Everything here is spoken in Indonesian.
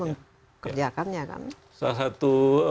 mengerjakannya salah satu